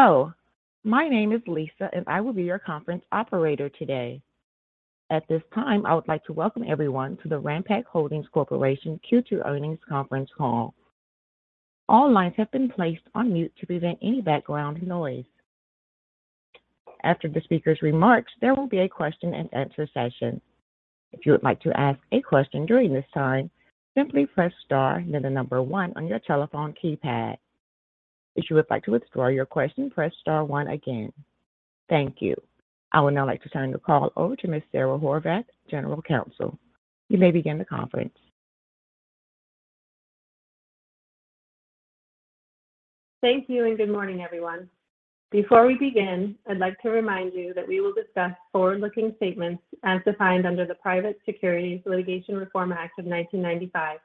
Hello, my name is Lisa, and I will be your conference operator today. At this time, I would like to welcome everyone to the Ranpak Holdings Corporation Q2 Earnings Conference Call. All lines have been placed on mute to prevent any background noise. After the speaker's remarks, there will be a question-and-answer session. If you would like to ask a question during this time, simply press star then the number one on your telephone keypad. If you would like to withdraw your question, press star one again. Thank you. I would now like to turn the call over to Ms. Sara Horvath, General Counsel. You may begin the conference. Thank you, and good morning, everyone. Before we begin, I'd like to remind you that we will discuss forward-looking statements as defined under the Private Securities Litigation Reform Act of 1995.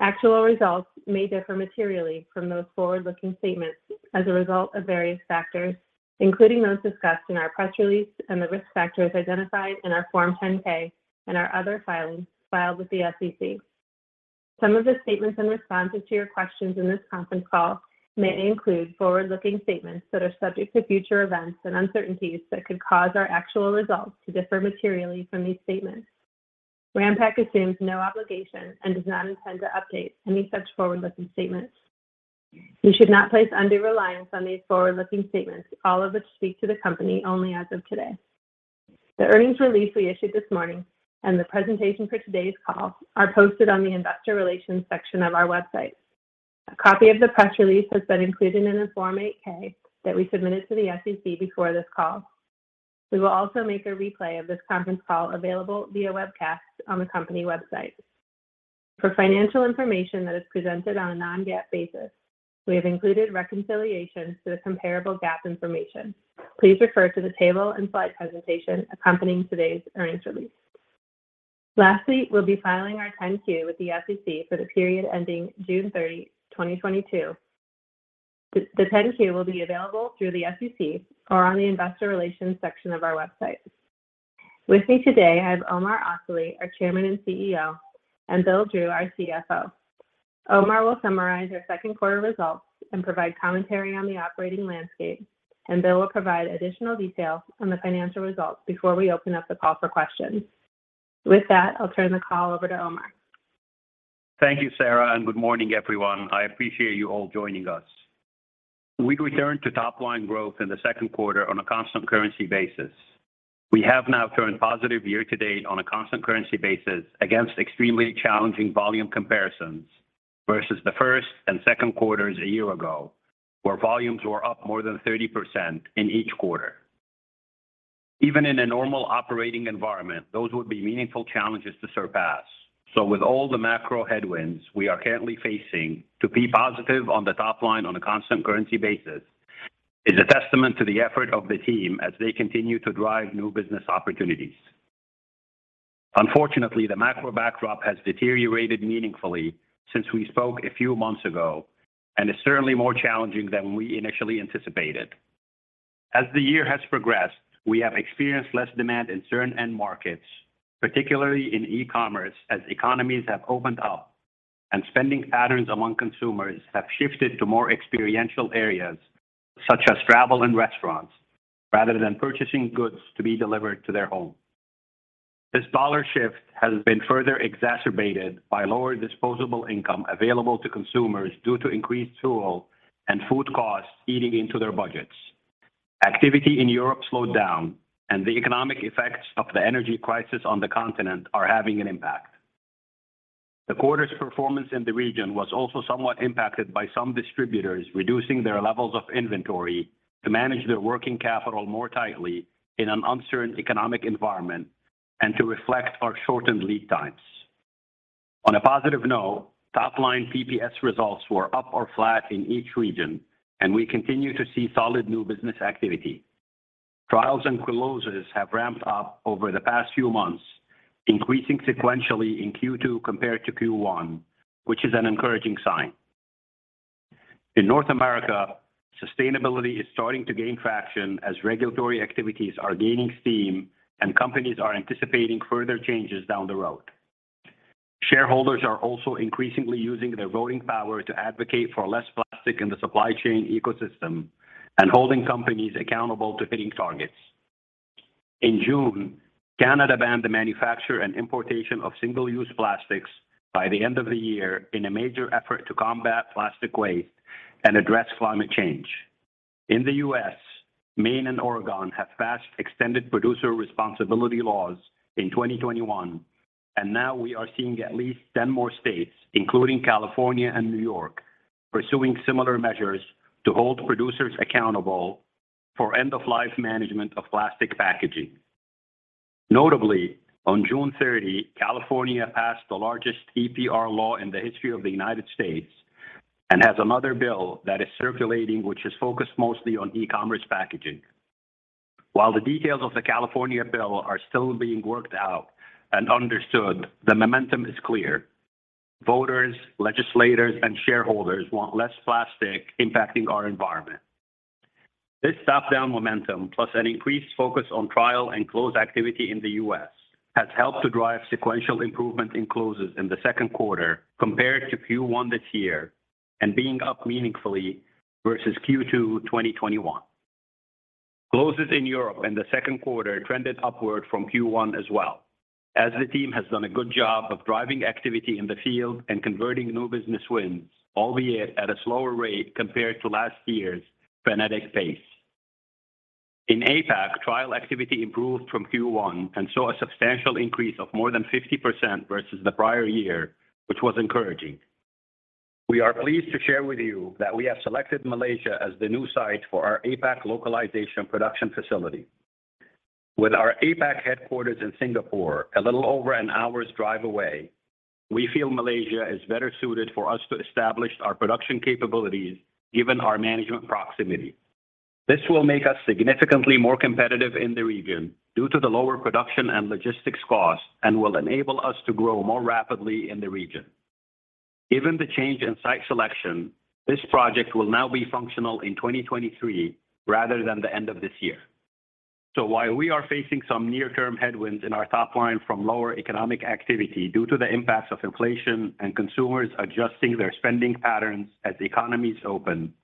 Actual results may differ materially from those forward-looking statements as a result of various factors, including those discussed in our press release and the risk factors identified in our Form 10-K and our other filings filed with the SEC. Some of the statements in responses to your questions in this conference call may include forward-looking statements that are subject to future events and uncertainties that could cause our actual results to differ materially from these statements. Ranpak assumes no obligation and does not intend to update any such forward-looking statements. You should not place undue reliance on these forward-looking statements, all of which speak to the company only as of today. The earnings release we issued this morning and the presentation for today's call are posted on the Investor Relations section of our website. A copy of the press release has been included in the Form 8-K that we submitted to the SEC before this call. We will also make a replay of this conference call available via webcast on the company website. For financial information that is presented on a non-GAAP basis, we have included reconciliations to the comparable GAAP information. Please refer to the table and slide presentation accompanying today's earnings release. Lastly, we'll be filing our 10-Q with the SEC for the period ending June 30, 2022. The 10-Q will be available through the SEC or on the Investor Relations section of our website. With me today, I have Omar Asali, our Chairman and CEO, and Bill Drew, our CFO. Omar will summarize our second quarter results and provide commentary on the operating landscape, and Bill will provide additional details on the financial results before we open up the call for questions. With that, I'll turn the call over to Omar. Thank you, Sara, and good morning, everyone. I appreciate you all joining us. We returned to top-line growth in the second quarter on a constant currency basis. We have now turned positive year-to-date on a constant currency basis against extremely challenging volume comparisons versus the first and second quarters a year ago, where volumes were up more than 30% in each quarter. Even in a normal operating environment, those would be meaningful challenges to surpass. With all the macro headwinds we are currently facing, to be positive on the top line on a constant currency basis is a testament to the effort of the team as they continue to drive new business opportunities. Unfortunately, the macro backdrop has deteriorated meaningfully since we spoke a few months ago and is certainly more challenging than we initially anticipated. As the year has progressed, we have experienced less demand in certain end markets, particularly in e-commerce, as economies have opened up and spending patterns among consumers have shifted to more experiential areas such as travel and restaurants rather than purchasing goods to be delivered to their home. This dollar shift has been further exacerbated by lower disposable income available to consumers due to increased fuel and food costs eating into their budgets. Activity in Europe slowed down, and the economic effects of the energy crisis on the continent are having an impact. The quarter's performance in the region was also somewhat impacted by some distributors reducing their levels of inventory to manage their working capital more tightly in an uncertain economic environment and to reflect our shortened lead times. On a positive note, top-line PPS results were up or flat in each region, and we continue to see solid new business activity. Trials and closes have ramped up over the past few months, increasing sequentially in Q2 compared to Q1, which is an encouraging sign. In North America, sustainability is starting to gain traction as regulatory activities are gaining steam and companies are anticipating further changes down the road. Shareholders are also increasingly using their voting power to advocate for less plastic in the supply chain ecosystem and holding companies accountable to hitting targets. In June, Canada banned the manufacture and importation of single-use plastics by the end of the year in a major effort to combat plastic waste and address climate change. In the U.S., Maine and Oregon have passed extended producer responsibility laws in 2021, and now we are seeing at least 10 more states, including California and New York, pursuing similar measures to hold producers accountable for end-of-life management of plastic packaging. Notably, on June 30, California passed the largest EPR law in the history of the U.S. and has another bill that is circulating which is focused mostly on e-commerce packaging. While the details of the California bill are still being worked out and understood, the momentum is clear. Voters, legislators, and shareholders want less plastic impacting our environment. This top-down momentum, plus an increased focus on trial and close activity in the U.S., has helped to drive sequential improvement in closes in the second quarter compared to Q1 this year and being up meaningfully versus Q2 2021. Closes in Europe in the second quarter trended upward from Q1 as well. As the team has done a good job of driving activity in the field and converting new business wins, albeit at a slower rate compared to last year's frenetic pace. In APAC, trial activity improved from Q1 and saw a substantial increase of more than 50% versus the prior year, which was encouraging. We are pleased to share with you that we have selected Malaysia as the new site for our APAC localization production facility. With our APAC headquarters in Singapore a little over an hour's drive away, we feel Malaysia is better suited for us to establish our production capabilities given our management proximity. This will make us significantly more competitive in the region due to the lower production and logistics costs and will enable us to grow more rapidly in the region. Given the change in site selection, this project will now be functional in 2023 rather than the end of this year. While we are facing some near term headwinds in our top line from lower economic activity due to the impacts of inflation and consumers adjusting their spending patterns as economies open,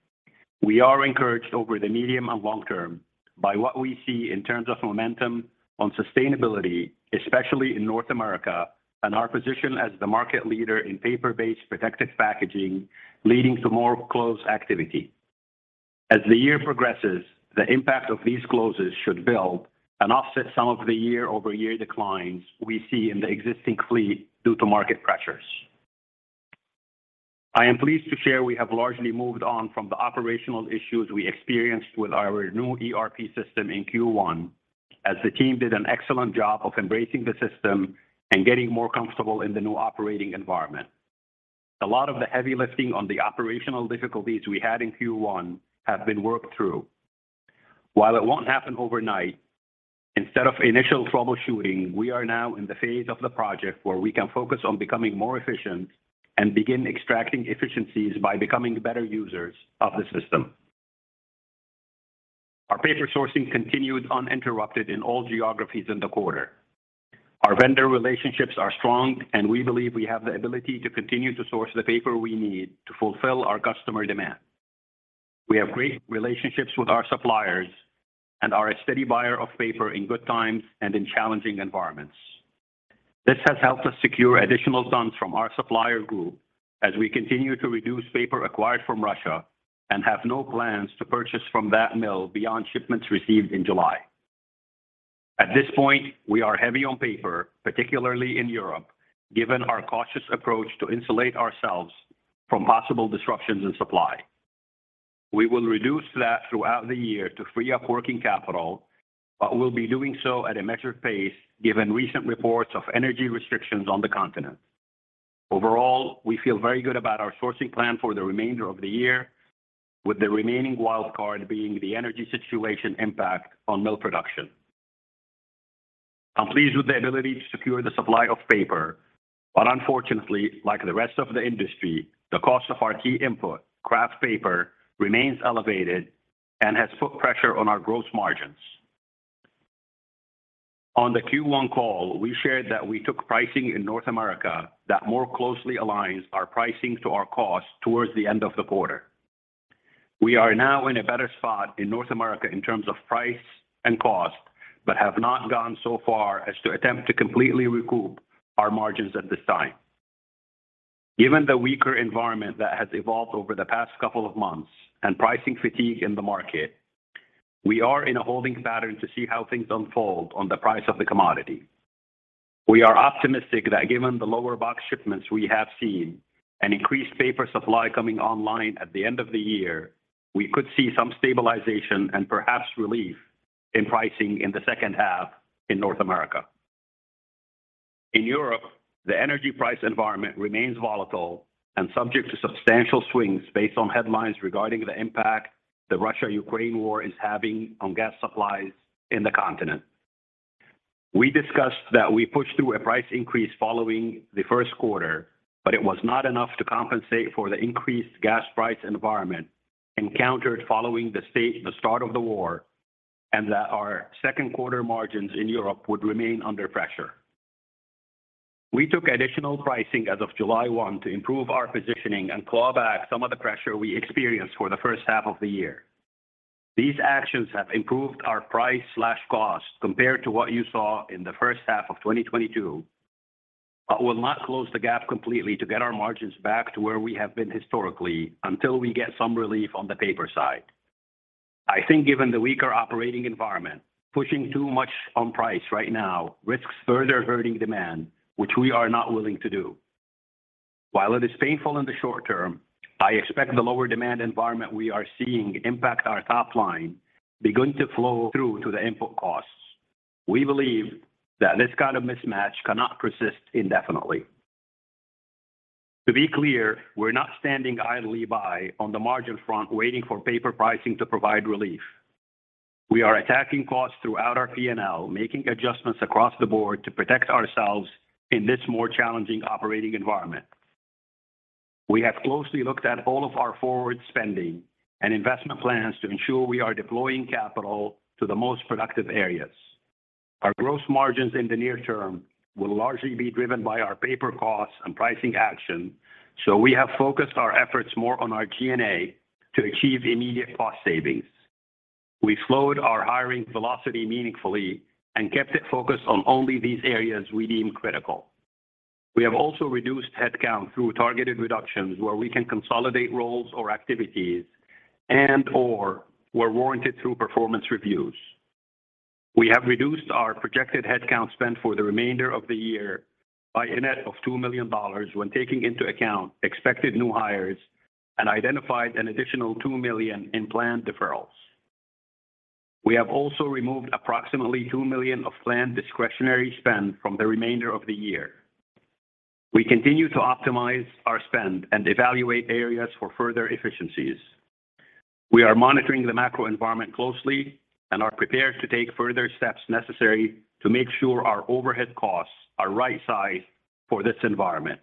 we are encouraged over the medium and long term by what we see in terms of momentum on sustainability, especially in North America, and our position as the market leader in paper-based protective packaging, leading to more close activity. As the year progresses, the impact of these closes should build and offset some of the year-over-year declines we see in the existing fleet due to market pressures. I am pleased to share we have largely moved on from the operational issues we experienced with our new ERP system in Q1, as the team did an excellent job of embracing the system and getting more comfortable in the new operating environment. A lot of the heavy lifting on the operational difficulties we had in Q1 have been worked through. While it won't happen overnight, instead of initial troubleshooting, we are now in the phase of the project where we can focus on becoming more efficient and begin extracting efficiencies by becoming better users of the system. Our paper sourcing continued uninterrupted in all geographies in the quarter. Our vendor relationships are strong, and we believe we have the ability to continue to source the paper we need to fulfill our customer demand. We have great relationships with our suppliers and are a steady buyer of paper in good times and in challenging environments. This has helped us secure additional tons from our supplier group as we continue to reduce paper acquired from Russia and have no plans to purchase from that mill beyond shipments received in July. At this point, we are heavy on paper, particularly in Europe, given our cautious approach to insulate ourselves from possible disruptions in supply. We will reduce that throughout the year to free up working capital, but we'll be doing so at a measured pace given recent reports of energy restrictions on the continent. Overall, we feel very good about our sourcing plan for the remainder of the year, with the remaining wild card being the energy situation impact on mill production. I'm pleased with the ability to secure the supply of paper, but unfortunately, like the rest of the industry, the cost of our key input, kraft paper, remains elevated and has put pressure on our gross margins. On the Q1 call, we shared that we took pricing in North America that more closely aligns our pricing to our cost towards the end of the quarter. We are now in a better spot in North America in terms of price and cost, but have not gone so far as to attempt to completely recoup our margins at this time. Given the weaker environment that has evolved over the past couple of months and pricing fatigue in the market, we are in a holding pattern to see how things unfold on the price of the commodity. We are optimistic that given the lower box shipments we have seen and increased paper supply coming online at the end of the year, we could see some stabilization and perhaps relief in pricing in the second half in North America. In Europe, the energy price environment remains volatile and subject to substantial swings based on headlines regarding the impact the Russia-Ukraine war is having on gas supplies in the continent. We discussed that we pushed through a price increase following the first quarter, but it was not enough to compensate for the increased gas price environment encountered following the start of the war, and that our second quarter margins in Europe would remain under pressure. We took additional pricing as of July 1 to improve our positioning and claw back some of the pressure we experienced for the first half of the year. These actions have improved our price/cost compared to what you saw in the first half of 2022, but will not close the gap completely to get our margins back to where we have been historically until we get some relief on the paper side. I think given the weaker operating environment, pushing too much on price right now risks further hurting demand, which we are not willing to do. While it is painful in the short term, I expect the lower demand environment we are seeing impact our top line, be going to flow through to the input costs. We believe that this kind of mismatch cannot persist indefinitely. To be clear, we're not standing idly by on the margin front waiting for paper pricing to provide relief. We are attacking costs throughout our P&L, making adjustments across the board to protect ourselves in this more challenging operating environment. We have closely looked at all of our forward spending and investment plans to ensure we are deploying capital to the most productive areas. Our gross margins in the near term will largely be driven by our paper costs and pricing action. We have focused our efforts more on our G&A to achieve immediate cost savings. We slowed our hiring velocity meaningfully and kept it focused on only these areas we deem critical. We have also reduced headcount through targeted reductions where we can consolidate roles or activities and/or were warranted through performance reviews. We have reduced our projected headcount spend for the remainder of the year by a net of $2 million when taking into account expected new hires and identified an additional $2 million in planned deferrals. We have also removed approximately $2 million of planned discretionary spend from the remainder of the year. We continue to optimize our spend and evaluate areas for further efficiencies. We are monitoring the macro environment closely and are prepared to take further steps necessary to make sure our overhead costs are right sized for this environment.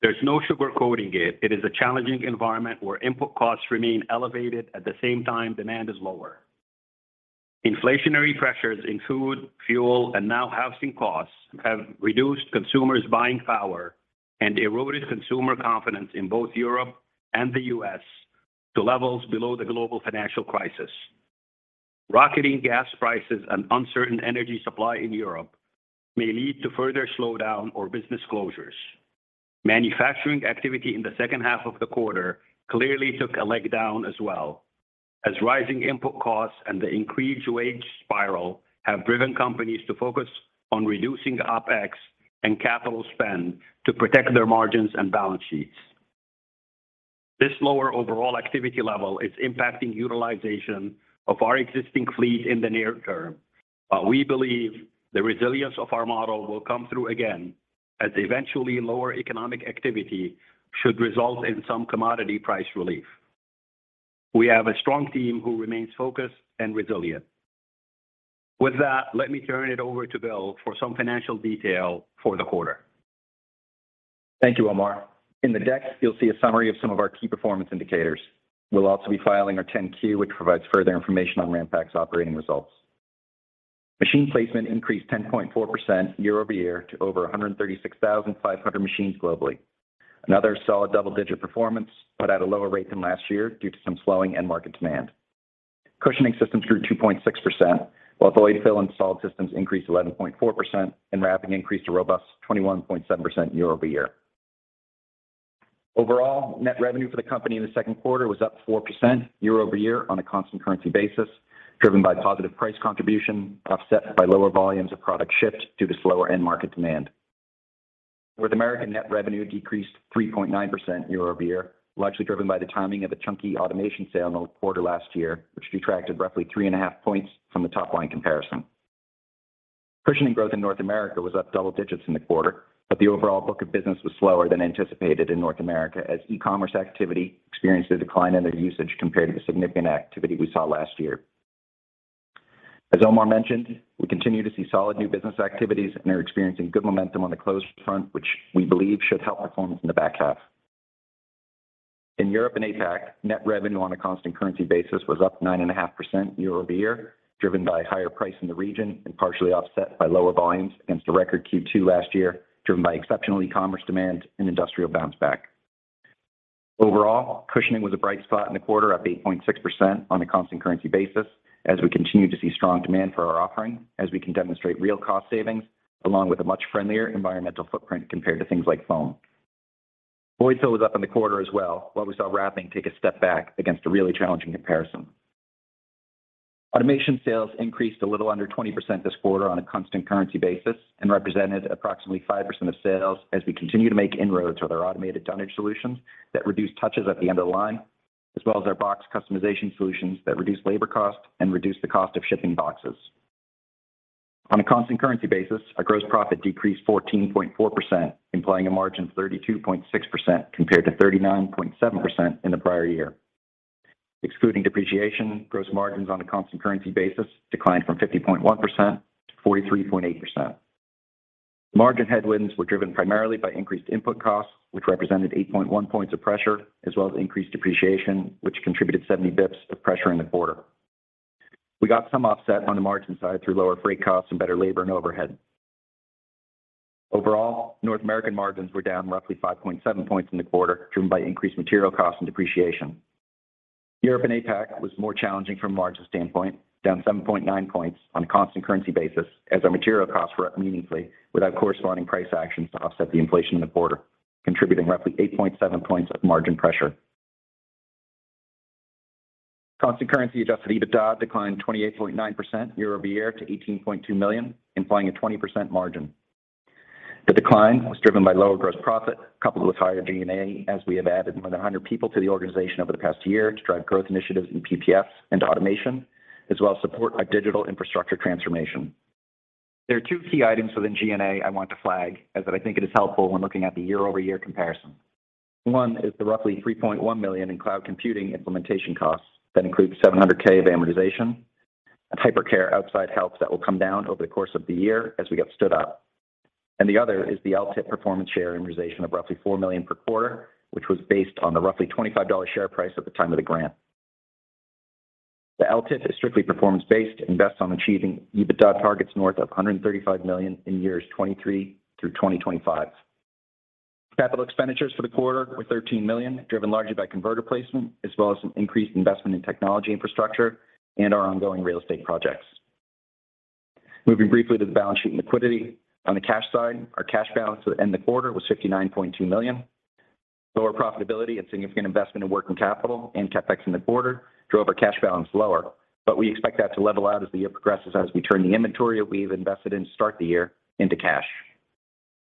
There's no sugarcoating it. It is a challenging environment where input costs remain elevated. At the same time, demand is lower. Inflationary pressures in food, fuel, and now housing costs have reduced consumers' buying power and eroded consumer confidence in both Europe and the U.S. to levels below the global financial crisis. Rocketing gas prices and uncertain energy supply in Europe may lead to further slowdown or business closures. Manufacturing activity in the second half of the quarter clearly took a leg down as well as rising input costs and the increased wage spiral have driven companies to focus on reducing OpEx and capital spend to protect their margins and balance sheets. This lower overall activity level is impacting utilization of our existing fleet in the near term. We believe the resilience of our model will come through again as eventually lower economic activity should result in some commodity price relief. We have a strong team who remains focused and resilient. With that, let me turn it over to Bill for some financial detail for the quarter. Thank you, Omar. In the deck, you'll see a summary of some of our key performance indicators. We'll also be filing our 10-Q, which provides further information on Ranpak's operating results. Machine placement increased 10.4% year-over-year to over 136,500 machines globally. Another solid double-digit performance, but at a lower rate than last year due to some slowing end market demand. Cushioning systems grew 2.6%, while void-fill and solid systems increased 11.4%, and wrapping increased a robust 21.7% year-over-year. Overall, net revenue for the company in the second quarter was up 4% year-over-year on a constant currency basis, driven by positive price contribution, offset by lower volumes of product shipped due to slower end market demand. Americas net revenue decreased 3.9% year-over-year, largely driven by the timing of a chunky automation sale in the quarter last year, which detracted roughly 3.5 points from the top line comparison. Cushioning growth in North America was up double digits in the quarter, but the overall book of business was slower than anticipated in North America as e-commerce activity experienced a decline in the usage compared to the significant activity we saw last year. As Omar mentioned, we continue to see solid new business activities and are experiencing good momentum on the closed front, which we believe should help performance in the back half. In Europe and APAC, net revenue on a constant currency basis was up 9.5% year-over-year, driven by higher price in the region and partially offset by lower volumes against the record Q2 last year, driven by exceptional e-commerce demand and industrial bounce back. Overall, Cushioning was a bright spot in the quarter up 8.6% on a constant currency basis as we continue to see strong demand for our offering as we can demonstrate real cost savings along with a much friendlier environmental footprint compared to things like foam. Void-fill was up in the quarter as well, while we saw Wrapping take a step back against a really challenging comparison. Automation sales increased a little under 20% this quarter on a constant currency basis and represented approximately 5% of sales as we continue to make inroads with our automated dunnage solutions that reduce touches at the end of the line, as well as our box customization solutions that reduce labor costs and reduce the cost of shipping boxes. On a constant currency basis, our gross profit decreased 14.4%, implying a margin 32.6% compared to 39.7% in the prior year. Excluding depreciation, gross margins on a constant currency basis declined from 50.1% to 43.8%. Margin headwinds were driven primarily by increased input costs, which represented 8.1 points of pressure, as well as increased depreciation, which contributed 70 basis points of pressure in the quarter. We got some offset on the margin side through lower freight costs and better labor and overhead. Overall, North American margins were down roughly 5.7 points in the quarter, driven by increased material costs and depreciation. Europe and APAC was more challenging from a margin standpoint, down 7.9 points on a constant currency basis as our material costs were up meaningfully without corresponding price actions to offset the inflation in the quarter, contributing roughly 8.7 points of margin pressure. Constant currency Adjusted EBITDA declined 28.9% year-over-year to $18.2 million, implying a 20% margin. The decline was driven by lower gross profit, coupled with higher G&A as we have added more than 100 people to the organization over the past year to drive growth initiatives in PPS into automation, as well as support our digital infrastructure transformation. There are two key items within G&A I want to flag as that I think it is helpful when looking at the year-over-year comparison. One is the roughly $3.1 million in cloud computing implementation costs. That includes $700k of amortization and hypercare outside help that will come down over the course of the year as we get stood up. The other is the LTIP performance share amortization of roughly $4 million per quarter, which was based on the roughly $25 share price at the time of the grant. The LTIP is strictly performance-based, and bets on achieving EBITDA targets north of $135 million in years 2023 through 2025. Capital expenditures for the quarter were $13 million, driven largely by converter placement as well as an increased investment in technology infrastructure and our ongoing real estate projects. Moving briefly to the balance sheet and liquidity. On the cash side, our cash balance to end the quarter was $69.2 million. Lower profitability and significant investment in working capital and CapEx in the quarter drove our cash balance lower. We expect that to level out as the year progresses as we turn the inventory we've invested in to start the year into cash.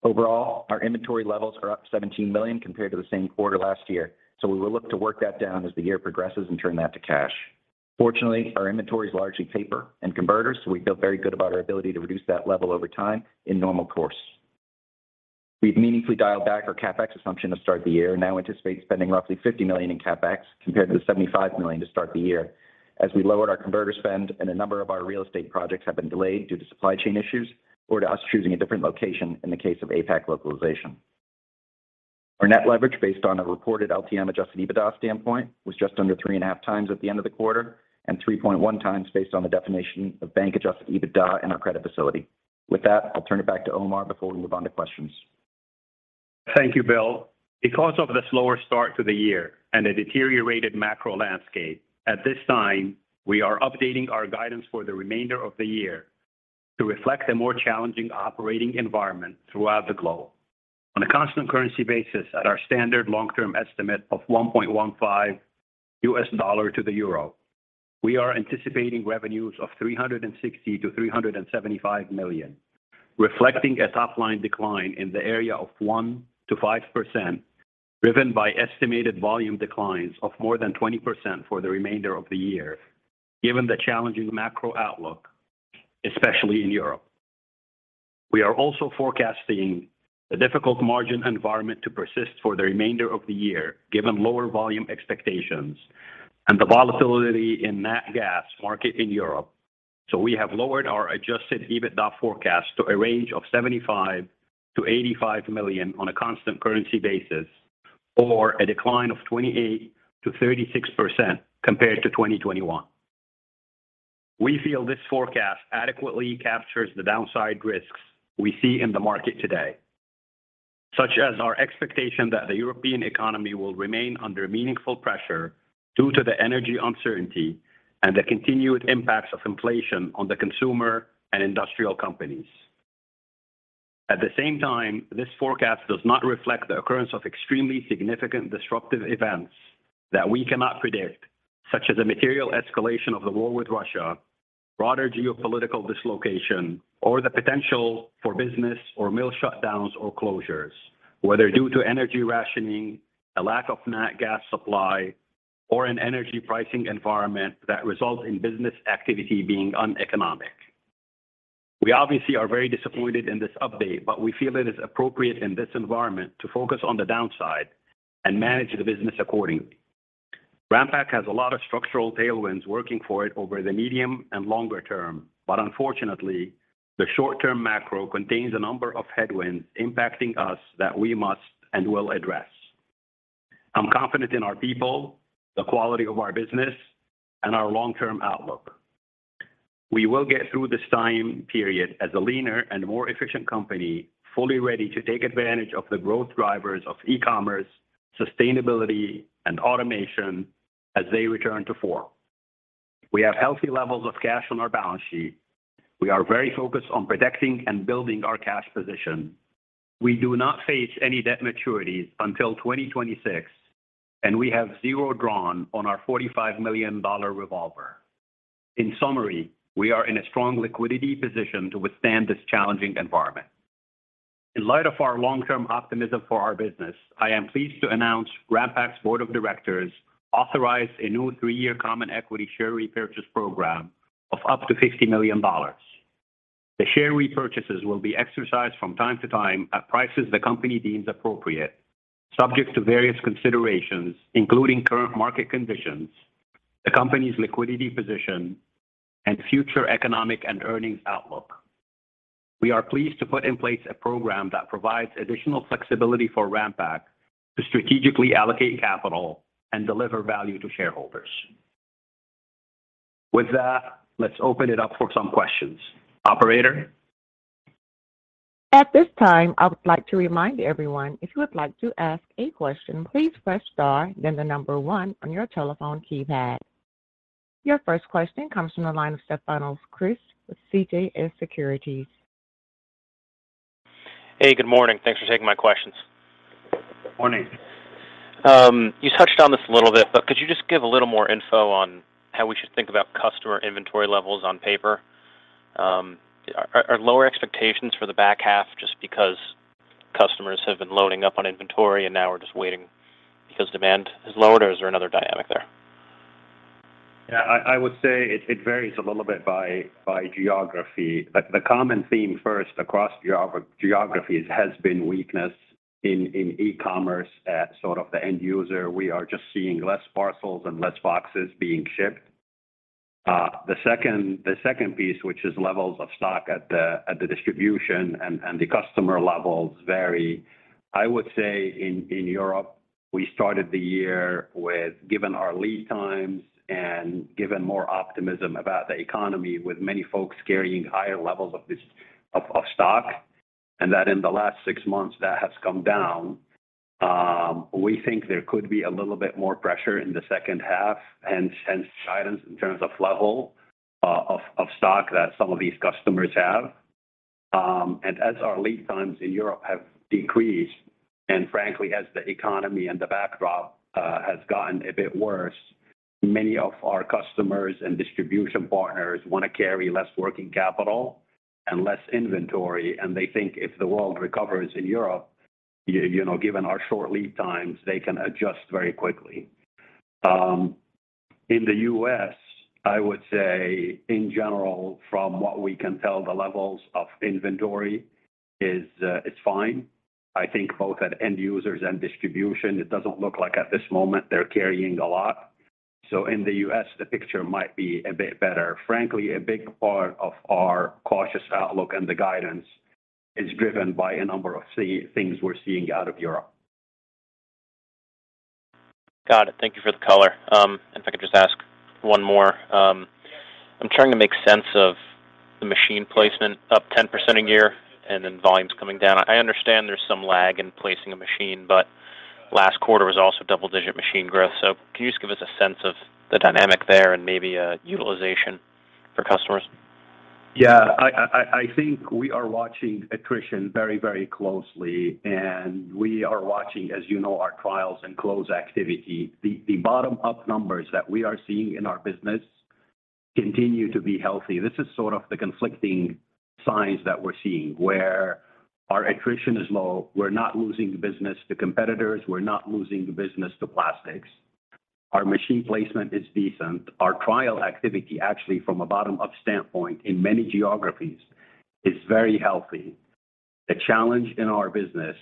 Overall, our inventory levels are up $17 million compared to the same quarter last year, so we will look to work that down as the year progresses and turn that to cash. Fortunately, our inventory is largely paper and converters, so we feel very good about our ability to reduce that level over time in normal course. We've meaningfully dialed back our CapEx assumption to start the year, and now anticipate spending roughly $50 million in CapEx compared to the $75 million to start the year, as we lowered our converter spend and a number of our real estate projects have been delayed due to supply chain issues or to us choosing a different location in the case of APAC localization. Our net leverage based on a reported LTM Adjusted EBITDA standpoint was just under 3.5x at the end of the quarter, and 3.1x based on the definition of bank-Adjusted EBITDA in our credit facility. With that, I'll turn it back to Omar before we move on to questions. Thank you, Bill. Because of the slower start to the year and a deteriorated macro landscape, at this time, we are updating our guidance for the remainder of the year to reflect a more challenging operating environment throughout the globe. On a constant currency basis at our standard long-term estimate of $1.15 to the EUR, we are anticipating revenues of $360 million-$375 million, reflecting a top-line decline in the area of 1%-5%, driven by estimated volume declines of more than 20% for the remainder of the year, given the challenging macro outlook, especially in Europe. We are also forecasting the difficult margin environment to persist for the remainder of the year, given lower volume expectations and the volatility in natural gas market in Europe. We have lowered our Adjusted EBITDA forecast to a range of $75 million-$85 million on a constant currency basis, or a decline of 28%-36% compared to 2021. We feel this forecast adequately captures the downside risks we see in the market today, such as our expectation that the European economy will remain under meaningful pressure due to the energy uncertainty and the continued impacts of inflation on the consumer and industrial companies. At the same time, this forecast does not reflect the occurrence of extremely significant disruptive events that we cannot predict, such as the material escalation of the war with Russia, broader geopolitical dislocation, or the potential for business or mill shutdowns or closures, whether due to energy rationing, a lack of natural gas supply, or an energy pricing environment that results in business activity being uneconomic. We obviously are very disappointed in this update, but we feel it is appropriate in this environment to focus on the downside and manage the business accordingly. Ranpak has a lot of structural tailwinds working for it over the medium and longer term, but unfortunately, the short-term macro contains a number of headwinds impacting us that we must and will address. I'm confident in our people, the quality of our business, and our long-term outlook. We will get through this time period as a leaner and more efficient company, fully ready to take advantage of the growth drivers of e-commerce, sustainability, and automation as they return to form. We have healthy levels of cash on our balance sheet. We are very focused on protecting and building our cash position. We do not face any debt maturities until 2026, and we have zero drawn on our $45 million revolver. In summary, we are in a strong liquidity position to withstand this challenging environment. In light of our long-term optimism for our business, I am pleased to announce Ranpak's Board of Directors authorized a new three-year common equity share repurchase program of up to $50 million. The share repurchases will be exercised from time to time at prices the company deems appropriate, subject to various considerations, including current market conditions, the company's liquidity position, and future economic and earnings outlook. We are pleased to put in place a program that provides additional flexibility for Ranpak to strategically allocate capital and deliver value to shareholders. With that, let's open it up for some questions. Operator? At this time, I would like to remind everyone if you would like to ask a question, please press star, then the number one on your telephone keypad. Your first question comes from the line of Stefanos Crist with CJS Securities. Hey, good morning. Thanks for taking my questions. Morning. You touched on this a little bit, but could you just give a little more info on how we should think about customer inventory levels on paper? Are lower expectations for the back half just because customers have been loading up on inventory and now we're just waiting because demand has lowered, or is there another dynamic there? Yeah, I would say it varies a little bit by geography. The common theme first across geographies has been weakness in e-commerce at sort of the end user. We are just seeing less parcels and less boxes being shipped, the second piece, which is levels of stock at the distribution and the customer levels vary. I would say in Europe, we started the year with giving our lead times and giving more optimism about the economy, with many folks carrying higher levels of this, of stock. That in the last six months that has come down. We think there could be a little bit more pressure in the second half and hence guidance in terms of level of stock that some of these customers have. As our lead times in Europe have decreased, and frankly, as the economy and the backdrop has gotten a bit worse, many of our customers and distribution partners wanna carry less working capital and less inventory, and they think if the world recovers in Europe, you know, given our short lead times, they can adjust very quickly. In the U.S., I would say in general, from what we can tell, the levels of inventory is fine. I think both at end users and distribution, it doesn't look like at this moment they're carrying a lot. In the U.S., the picture might be a bit better. Frankly, a big part of our cautious outlook and the guidance is driven by a number of things we're seeing out of Europe. Got it. Thank you for the color. If I could just ask one more. I'm trying to make sense of the machine placement up 10% a year and then volumes coming down. I understand there's some lag in placing a machine, but last quarter was also double-digit machine growth. Can you just give us a sense of the dynamic there and maybe utilization for customers? Yeah. I think we are watching attrition very, very closely, and we are watching, as you know, our trials and close activity. The bottom up numbers that we are seeing in our business continue to be healthy. This is sort of the conflicting signs that we're seeing where our attrition is low. We're not losing business to competitors, we're not losing business to plastics. Our machine placement is decent. Our trial activity, actually from a bottom-up standpoint in many geographies is very healthy. The challenge in our business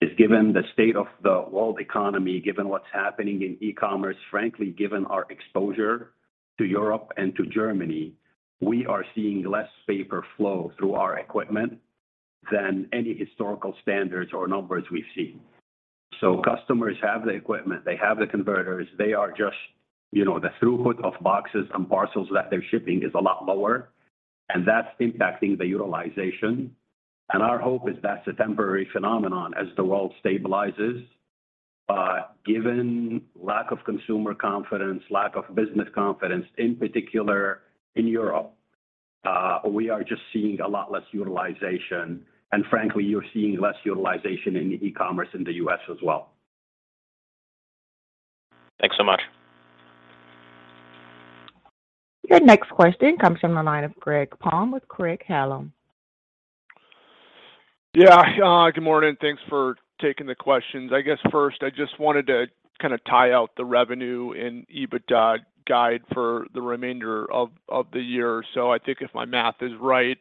is, given the state of the world economy, given what's happening in e-commerce, frankly, given our exposure to Europe and to Germany, we are seeing less paper flow through our equipment than any historical standards or numbers we've seen. Customers have the equipment, they have the converters, they are just, you know, the throughput of boxes and parcels that they're shipping is a lot lower, and that's impacting the utilization. Our hope is that's a temporary phenomenon as the world stabilizes. Given lack of consumer confidence, lack of business confidence, in particular in Europe, we are just seeing a lot less utilization. Frankly, you're seeing less utilization in e-commerce in the U.S. as well. Thanks so much. Your next question comes from the line of Greg Palm with Craig Hallum. Yeah. Good morning. Thanks for taking the questions. I guess first I just wanted to kinda tie out the revenue and EBITDA guide for the remainder of the year. I think if my math is right,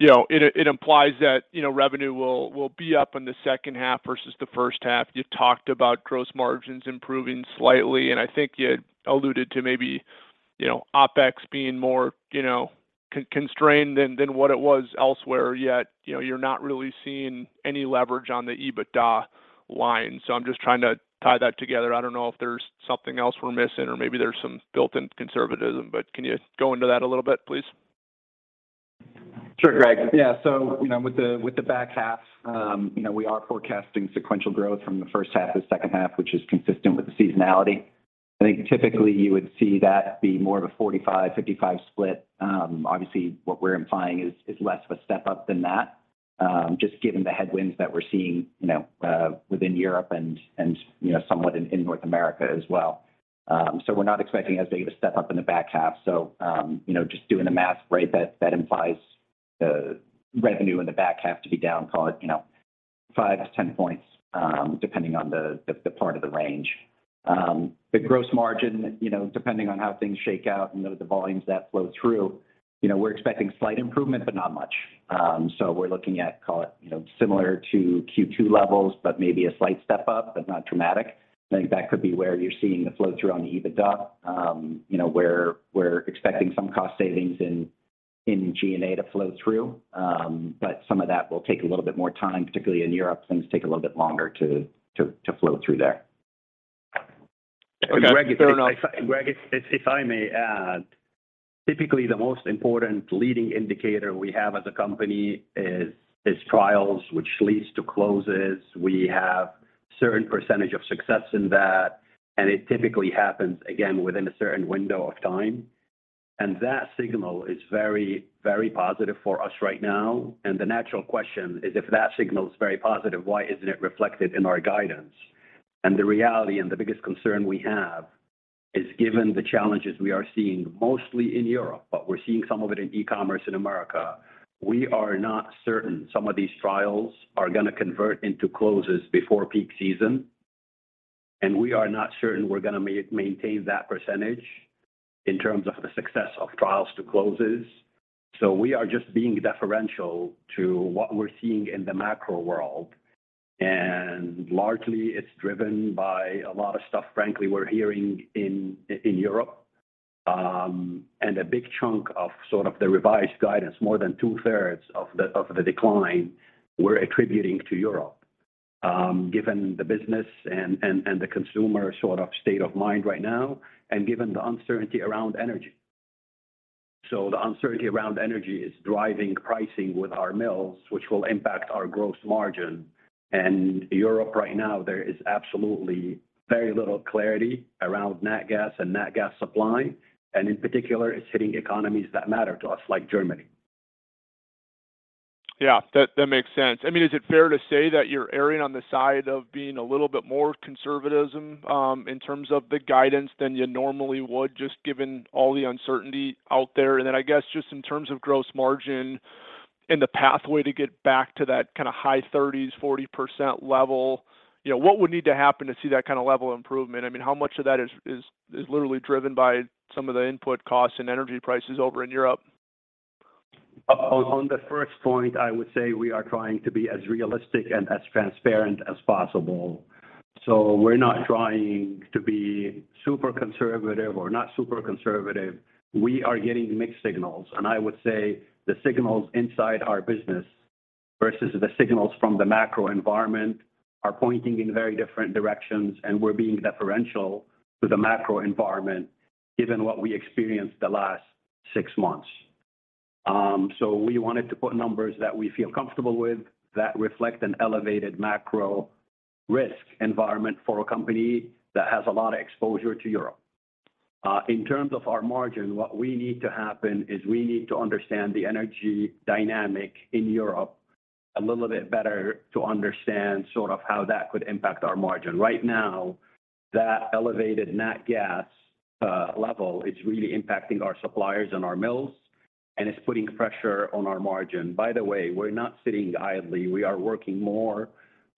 you know, it implies that, you know, revenue will be up in the second half versus the first half. You talked about gross margins improving slightly, and I think you alluded to maybe, you know, OpEx being more, you know, constrained than what it was elsewhere, yet, you know, you're not really seeing any leverage on the EBITDA line. I'm just trying to tie that together. I don't know if there's something else we're missing or maybe there's some built-in conservatism, but can you go into that a little bit, please? Sure, Greg. Yeah. So, you know, with the back half, you know, we are forecasting sequential growth from the first half to the second half, which is consistent with the seasonality. I think typically you would see that be more of a 45%-55% split. Obviously what we're implying is less of a step up than that, just given the headwinds that we're seeing, you know, within Europe and, you know, somewhat in North America as well. We're not expecting as big of a step up in the back half. You know, just doing the math, right, that implies the revenue in the back half to be down, call it, you know, 5-10 points, depending on the part of the range. The gross margin, you know, depending on how things shake out and the volumes that flow through. You know, we're expecting slight improvement, but not much. So we're looking at, call it, you know, similar to Q2 levels, but maybe a slight step up, but not dramatic. I think that could be where you're seeing the flow-through on the EBITDA. You know, we're expecting some cost savings in G&A to flow through. But some of that will take a little bit more time, particularly in Europe, things take a little bit longer to flow through there. Okay, fair enough. Greg, if I may add, typically the most important leading indicator we have as a company is trials, which leads to closes. We have certain percentage of success in that, and it typically happens again within a certain window of time. That signal is very, very positive for us right now. The natural question is, if that signal is very positive, why isn't it reflected in our guidance? The reality and the biggest concern we have is, given the challenges we are seeing mostly in Europe, but we're seeing some of it in e-commerce in America, we are not certain some of these trials are gonna convert into closes before peak season, and we are not certain we're gonna maintain that percentage in terms of the success of trials to closes. We are just being deferential to what we're seeing in the macro world. Largely it's driven by a lot of stuff, frankly, we're hearing in Europe. A big chunk of sort of the revised guidance, more than 2/3 of the decline we're attributing to Europe, given the business and the consumer sort of state of mind right now, and given the uncertainty around energy. The uncertainty around energy is driving pricing with our mills, which will impact our gross margin. Europe right now, there is absolutely very little clarity around natural gas and natural gas supply. In particular, it's hitting economies that matter to us, like Germany. Yeah. That makes sense. I mean, is it fair to say that you're erring on the side of being a little bit more conservatism in terms of the guidance than you normally would, just given all the uncertainty out there? Then I guess just in terms of gross margin and the pathway to get back to that kind of high 30s%, 40% level, you know, what would need to happen to see that kind of level of improvement? I mean, how much of that is literally driven by some of the input costs and energy prices over in Europe? On the first point, I would say we are trying to be as realistic and as transparent as possible. We're not trying to be super conservative or not super conservative. We are getting mixed signals, and I would say the signals inside our business versus the signals from the macro environment are pointing in very different directions, and we're being deferential to the macro environment given what we experienced the last six months. We wanted to put numbers that we feel comfortable with that reflect an elevated macro risk environment for a company that has a lot of exposure to Europe. In terms of our margin, what we need to happen is we need to understand the energy dynamic in Europe a little bit better to understand sort of how that could impact our margin. Right now, that elevated natural gas level is really impacting our suppliers and our mills, and it's putting pressure on our margin. By the way, we're not sitting idly. We are working more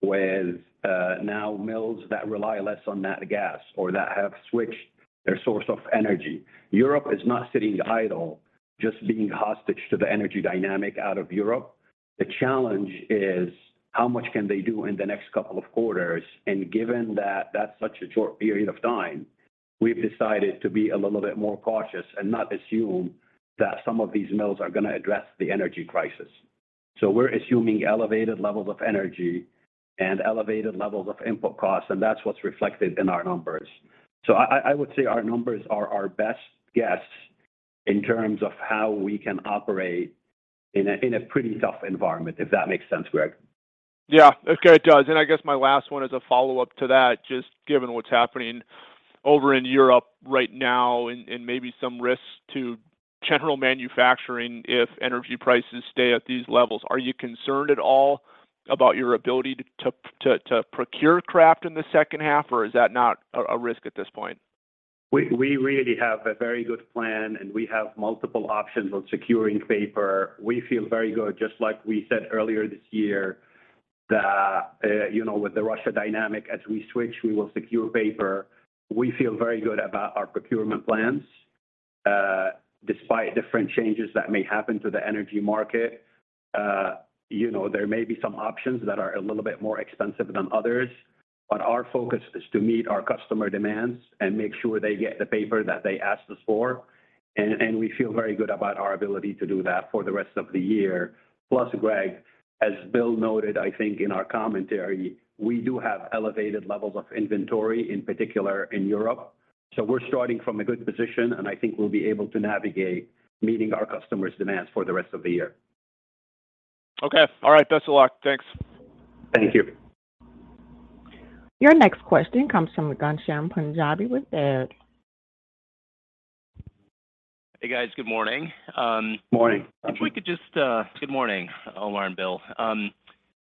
with new mills that rely less on natural gas or that have switched their source of energy. Europe is not sitting idle, just being hostage to the energy dynamic out of Europe. The challenge is how much can they do in the next couple of quarters? Given that that's such a short period of time, we've decided to be a little bit more cautious and not assume that some of these mills are gonna address the energy crisis. We're assuming elevated levels of energy and elevated levels of input costs, and that's what's reflected in our numbers. I would say our numbers are our best guess in terms of how we can operate in a pretty tough environment, if that makes sense, Greg. Yeah. Okay, it does. I guess my last one is a follow-up to that, just given what's happening over in Europe right now and maybe some risks to general manufacturing if energy prices stay at these levels. Are you concerned at all about your ability to procure kraft in the second half, or is that not a risk at this point? We really have a very good plan, and we have multiple options on securing paper. We feel very good, just like we said earlier this year, that you know, with the Russia dynamic, as we switch, we will secure paper. We feel very good about our procurement plans, despite different changes that may happen to the energy market. You know, there may be some options that are a little bit more expensive than others, but our focus is to meet our customer demands and make sure they get the paper that they asked us for. We feel very good about our ability to do that for the rest of the year. Plus, Greg, as Bill noted, I think in our commentary, we do have elevated levels of inventory, in particular in Europe. We're starting from a good position, and I think we'll be able to navigate meeting our customers' demands for the rest of the year. Okay. All right. Best of luck. Thanks. Thank you. Your next question comes from Ghansham Panjabi with Baird. Hey, guys. Good morning. Morning. Good morning, Omar and Bill.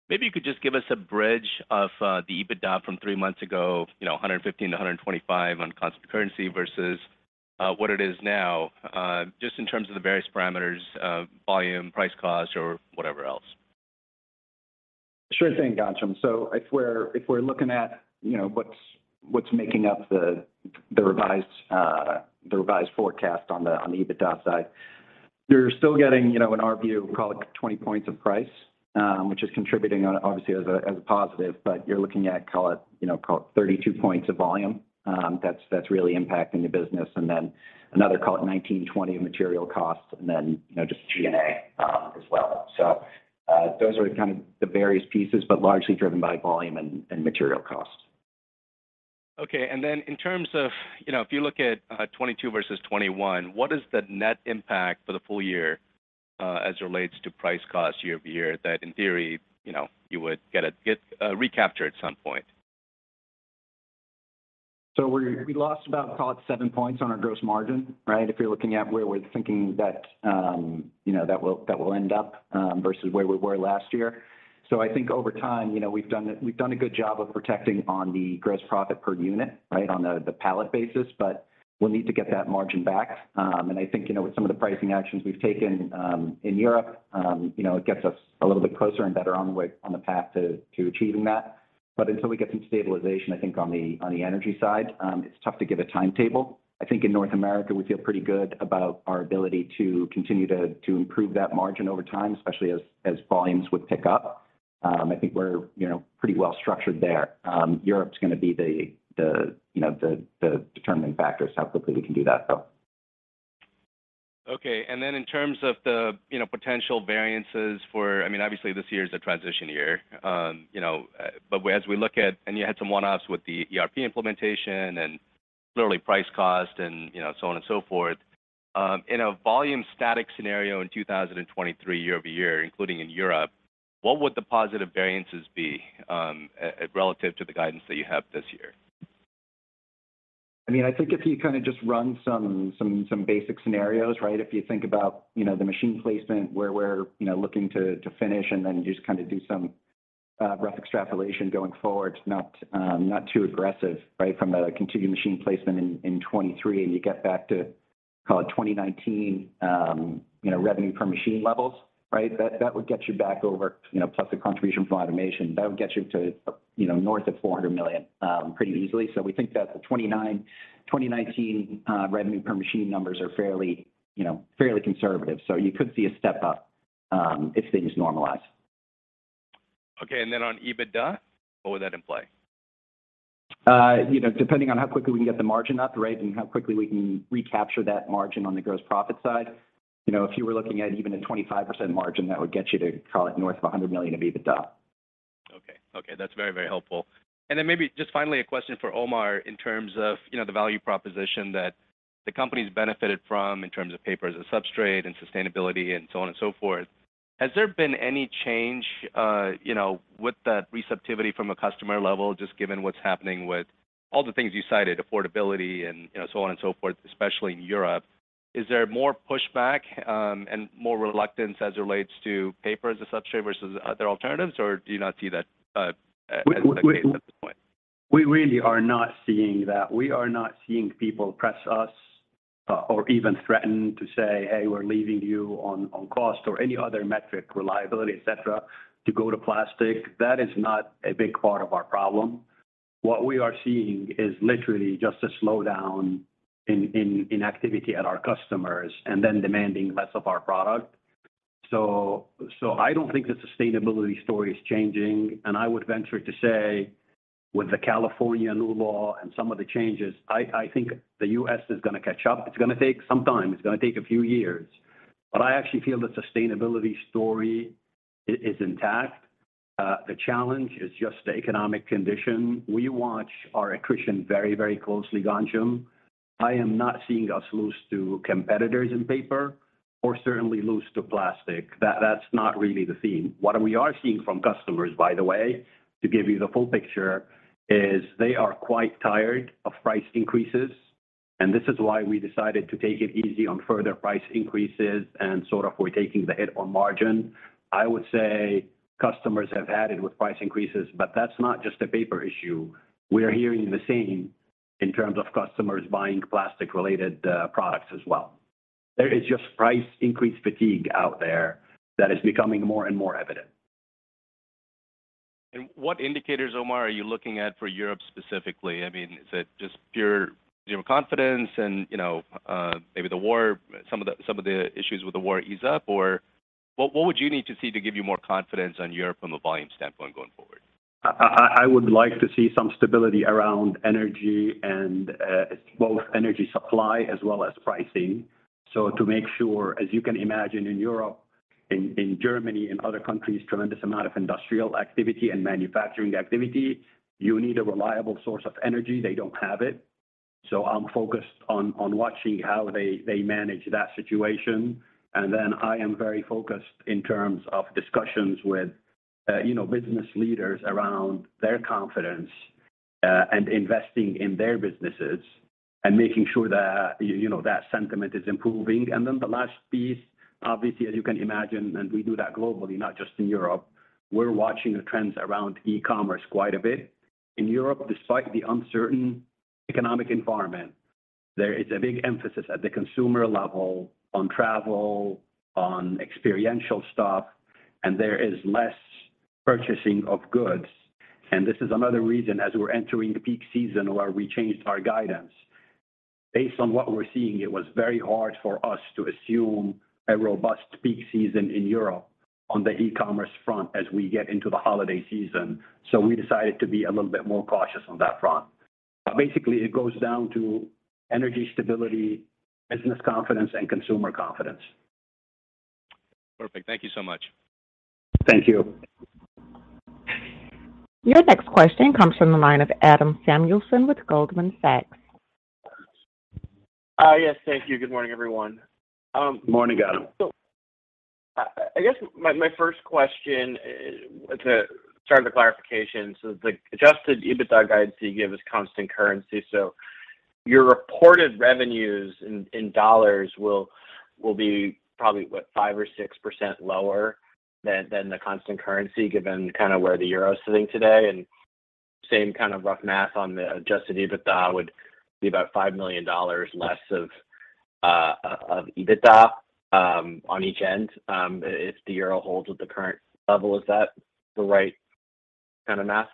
Maybe you could just give us a bridge of the EBITDA from three months ago, you know, $115 million-$125 million on constant currency versus what it is now, just in terms of the various parameters of volume, price, cost, or whatever else. Sure thing, Ghansham. If we're looking at what's making up the revised forecast on the EBITDA side, you're still getting, in our view, call it 20 points of price, which is contributing, obviously, as a positive. You're looking at, call it 32 points of volume, that's really impacting the business. Then another, call it 19-20 material costs and then just G&A as well. Those are kind of the various pieces, but largely driven by volume and material costs. Okay. Then in terms of, you know, if you look at 2022 versus 2021, what is the net impact for the full year as it relates to price cost year-over-year that in theory, you know, you would get it, recapture at some point? We lost about, call it 7 points on our gross margin, right? If you're looking at where we're thinking that will end up versus where we were last year. I think over time, you know, we've done a good job of protecting on the gross profit per unit, right, on the pallet basis, but we'll need to get that margin back. I think, you know, with some of the pricing actions we've taken in Europe, you know, it gets us a little bit closer and better on the path to achieving that. Until we get some stabilization, I think on the energy side, it's tough to give a timetable. I think in North America, we feel pretty good about our ability to continue to improve that margin over time, especially as volumes would pick up. I think we're, you know, pretty well structured there. Europe's gonna be the determining factor is how quickly we can do that, so. Okay. In terms of the, you know, potential variances, I mean, obviously this year is a transition year, you know. You had some one-offs with the ERP implementation and literally price cost and, you know, so on and so forth. In a volume static scenario in 2023 year-over-year, including in Europe, what would the positive variances be relative to the guidance that you have this year? I mean, I think if you kind of just run some basic scenarios, right? If you think about, you know, the machine placement where we're, you know, looking to finish and then just kind of do some rough extrapolation going forward, not too aggressive, right? From a continued machine placement in 2023, and you get back to call it 2019, you know, revenue per machine levels, right? That would get you back over, you know, plus the contribution from automation. That would get you to, you know, north of $400 million pretty easily. We think that the 2019 revenue per machine numbers are fairly, you know, fairly conservative. You could see a step up if things normalize. Okay. On EBITDA, what would that imply? You know, depending on how quickly we can get the margin up, right? How quickly we can recapture that margin on the gross profit side. You know, if you were looking at even a 25% margin, that would get you to call it north of $100 million of EBITDA. Okay. Okay, that's very, very helpful. Maybe just finally a question for Omar in terms of, you know, the value proposition that the company's benefited from in terms of paper as a substrate and sustainability and so on and so forth. Has there been any change, you know, with that receptivity from a customer level, just given what's happening with all the things you cited, affordability and, you know, so on and so forth, especially in Europe? Is there more pushback, and more reluctance as it relates to paper as a substrate versus other alternatives, or do you not see that, as the case at this point? We really are not seeing that. We are not seeing people press us or even threaten to say, "Hey, we're leaving you on cost or any other metric, reliability, et cetera, to go to plastic." That is not a big part of our problem. What we are seeing is literally just a slowdown in activity at our customers and then demanding less of our product. So I don't think the sustainability story is changing, and I would venture to say with the California new law and some of the changes, I think the U.S. is gonna catch up. It's gonna take some time. It's gonna take a few years. I actually feel the sustainability story is intact. The challenge is just the economic condition. We watch our attrition very, very closely, Ghansham. I am not seeing us lose to competitors in paper or certainly lose to plastic. That's not really the theme. What we are seeing from customers, by the way, to give you the full picture, is they are quite tired of price increases, and this is why we decided to take it easy on further price increases, and sort of we're taking the hit on margin. I would say customers have had it with price increases, but that's not just a paper issue. We are hearing the same in terms of customers buying plastic-related products as well. There is just price increase fatigue out there that is becoming more and more evident. What indicators, Omar, are you looking at for Europe specifically? I mean, is it just pure, you know, confidence and, you know, maybe the war, some of the issues with the war ease up? Or what would you need to see to give you more confidence on Europe from a volume standpoint going forward? I would like to see some stability around energy and both energy supply as well as pricing. To make sure, as you can imagine in Europe, Germany and other countries, tremendous amount of industrial activity and manufacturing activity. You need a reliable source of energy. They don't have it. I'm focused watching how they manage that situation. I am very focused in terms of discussions with, you know, business leaders around their confidence and investing in their businesses and making sure that, you know, that sentiment is improving. The last piece, obviously, as you can imagine, and we do that globally, not just in Europe, we're watching the trends around e-commerce quite a bit. In Europe, despite the uncertain economic environment, there is a big emphasis at the consumer level on travel, on experiential stuff, and there is less purchasing of goods. This is another reason as we're entering peak season where we changed our guidance. Based on what we're seeing, it was very hard for us to assume a robust peak season in Europe on the e-commerce front as we get into the holiday season. We decided to be a little bit more cautious on that front. Basically, it goes down to energy stability, business confidence, and consumer confidence. Perfect. Thank you so much. Thank you. Your next question comes from the line of Adam Samuelson with Goldman Sachs. Yes, thank you. Good morning, everyone. Morning, Adam. I guess my first question to start with a clarification. The Adjusted EBITDA guide that you give is constant currency. Your reported revenues in dollars will be probably, what, 5%-6% lower than the constant currency, given kind of where the euro is sitting today. Same kind of rough math on the Adjusted EBITDA would be about $5 million less of EBITDA on each end if the euro holds at the current level. Is that the right kind of math?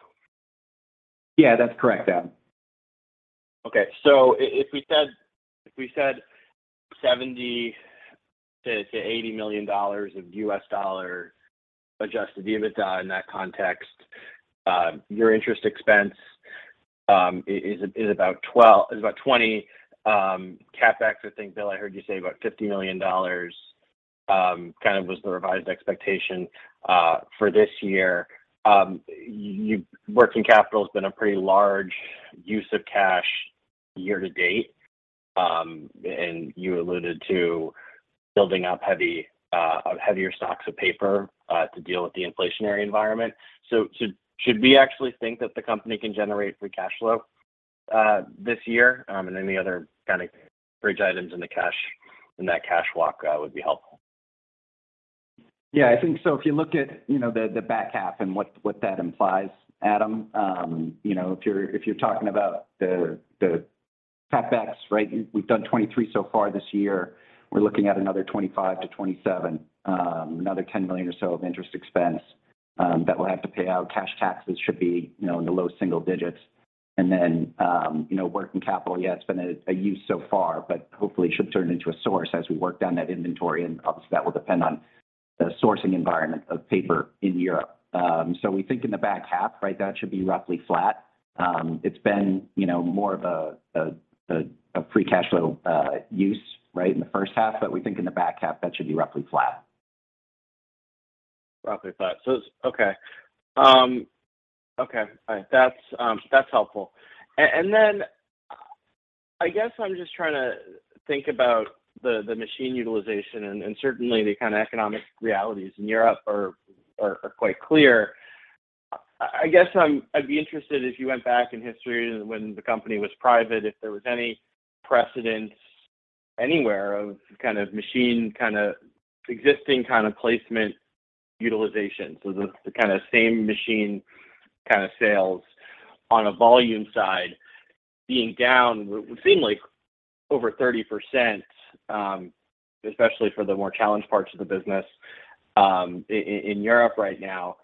Yeah. That's correct, Adam. If we said $70 million-$80 million of U.S. dollar Adjusted EBITDA in that context, your interest expense is about $20 million. CapEx, I think, Bill, I heard you say about $50 million kind of was the revised expectation for this year. Working capital's been a pretty large use of cash year-to-date, and you alluded to building up heavier stocks of paper to deal with the inflationary environment. Should we actually think that the company can generate free cash flow this year? Any other kind of bridge items in that cash walk would be helpful. Yeah, I think so. If you look at you know the back half and what that implies, Adam, you know if you're talking about the CapEx, right? We've done $23 million so far this year. We're looking at another $25 million-$27 million. Another $10 million or so of interest expense that we'll have to pay out. Cash taxes should be you know in the low single digits. Then you know working capital, yeah, it's been a use so far, but hopefully should turn into a source as we work down that inventory, and obviously that will depend on the sourcing environment of paper in Europe. We think in the back half, right, that should be roughly flat. It's been you know more of a free cash flow use, right, in the first half. We think in the back half, that should be roughly flat. Roughly flat. Okay. All right. That's helpful. I guess I'm just trying to think about the machine utilization and certainly the kind of economic realities in Europe are quite clear. I'd be interested if you went back in history when the company was private, if there was any precedent anywhere of kind of machine kind of existing kind of placement utilization. The kind of same machine kind of sales on a volume side being down with seemingly over 30%, especially for the more challenged parts of the business in Europe right now.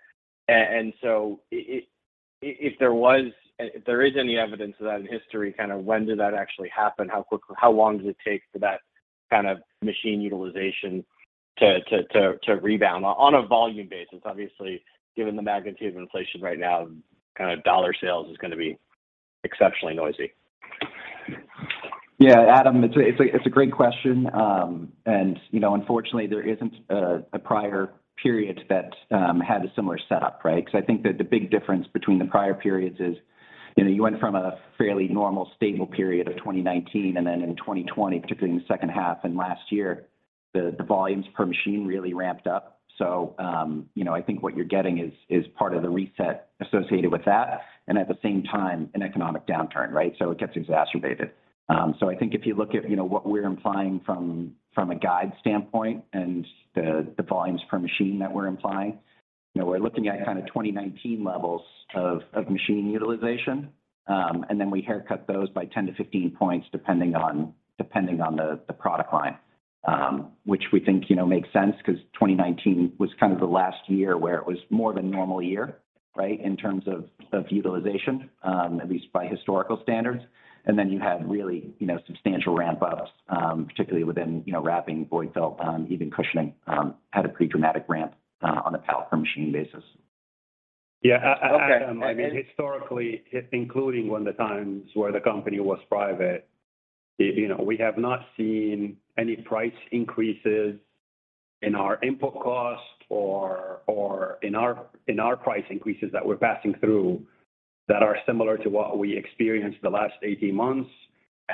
If there was and if there is any evidence of that in history, kind of when did that actually happen? How long does it take for that kind of machine utilization to rebound on a volume basis? Obviously, given the magnitude of inflation right now, kind of dollar sales is gonna be exceptionally noisy. Yeah. Adam, it's a great question. You know, unfortunately, there isn't a prior period that had a similar setup, right? 'Cause I think that the big difference between the prior periods is, you know, you went from a fairly normal, stable period of 2019, and then in 2020, particularly in the second half and last year, the volumes per machine really ramped up. You know, I think what you're getting is part of the reset associated with that, and at the same time, an economic downturn, right? So it gets exacerbated. I think if you look at, you know, what we're implying from a guide standpoint and the volumes per machine that we're implying, you know, we're looking at kinda 2019 levels of machine utilization. We haircut those by 10%-15% depending on the product line. Which we think, you know, makes sense 'cause 2019 was kind of the last year where it was more of a normal year, right, in terms of utilization, at least by historical standards. You had really, you know, substantial ramp-ups, particularly within, you know, wrapping, void-fill, even cushioning, had a pretty dramatic ramp on a pallet per machine basis. Yeah. Adam. Okay. I mean, historically, including when the times were the company was private, you know, we have not seen any price increases in our input costs or in our price increases that we're passing through that are similar to what we experienced the last 18 months.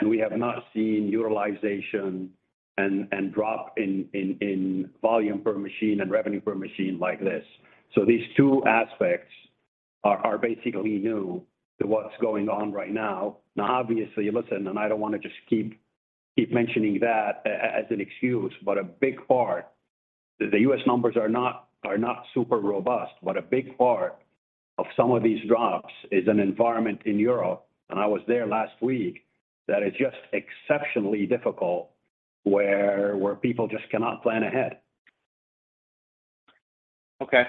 We have not seen utilization and drop in volume per machine and revenue per machine like this. These two aspects are basically new to what's going on right now. Now obviously, listen, and I don't wanna just keep mentioning that as an excuse, but a big part. The U.S. numbers are not super robust. A big part of some of these drops is an environment in Europe, and I was there last week, that is just exceptionally difficult, where people just cannot plan ahead. Okay.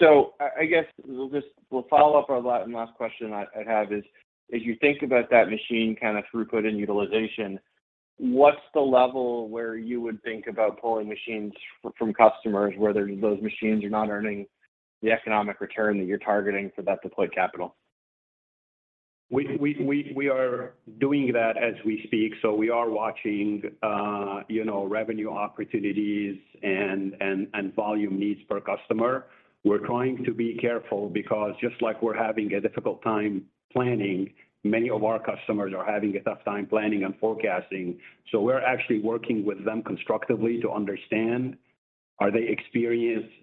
I guess we'll follow up. Our last question I have is, as you think about that machine kind of throughput and utilization, what's the level where you would think about pulling machines from customers where those machines are not earning the economic return that you're targeting for that deployed capital? We are doing that as we speak, so we are watching you know, revenue opportunities and volume needs per customer. We're trying to be careful because just like we're having a difficult time planning, many of our customers are having a tough time planning and forecasting. We're actually working with them constructively to understand, are they experiencing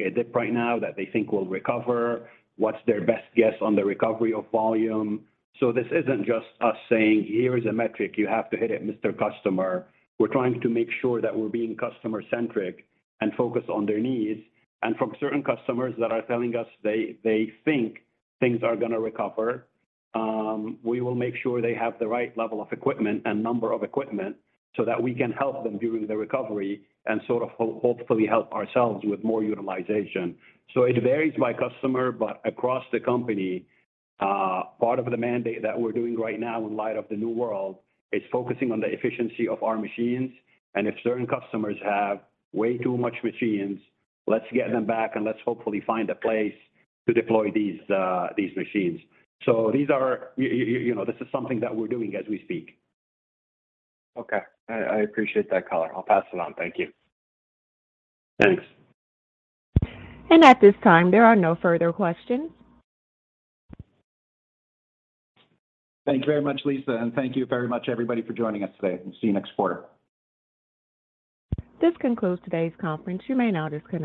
a dip right now that they think will recover? What's their best guess on the recovery of volume? This isn't just us saying, "Here is a metric. You have to hit it, Mr. Customer." We're trying to make sure that we're being customer-centric and focused on their needs. From certain customers that are telling us they think things are gonna recover, we will make sure they have the right level of equipment and number of equipment so that we can help them during the recovery and sort of hopefully help ourselves with more utilization. It varies by customer, but across the company, part of the mandate that we're doing right now in light of the new world is focusing on the efficiency of our machines. If certain customers have way too much machines, let's get them back, and let's hopefully find a place to deploy these machines. You know, this is something that we're doing as we speak. Okay. I appreciate that color. I'll pass it on. Thank you. Thanks. At this time, there are no further questions. Thank you very much, Lisa. Thank you very much everybody for joining us today. See you next quarter. This concludes today's conference. You may now disconnect.